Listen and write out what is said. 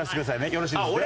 よろしいですね。